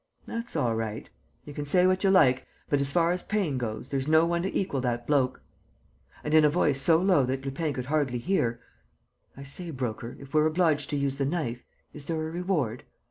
"That's all right. You can say what you like, but, as far as paying goes, there's no one to equal that bloke." And, in a voice so low that Lupin could hardly hear, "I say, Broker, if we're obliged to use the knife, is there a reward?"